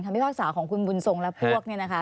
พิพากษาของคุณบุญทรงและพวกเนี่ยนะคะ